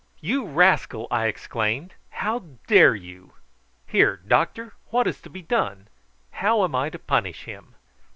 "You rascal!" I exclaimed; "how dare you! Here, doctor, what is to be done? How am I to punish him?"